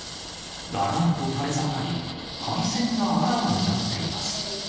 だらんと垂れ下がり、配線があらわになっています。